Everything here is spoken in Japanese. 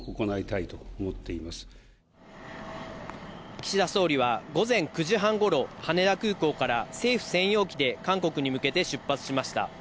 岸田総理は午前９時半頃、羽田空港から政府専用機で韓国に向けて出発しました。